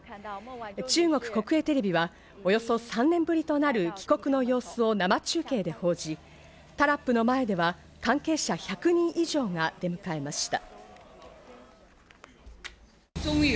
中国国営テレビはおよそ３年ぶりとなる帰国の様子を生中継で報じ、タラップの前では関係者１００人以上が出迎えました。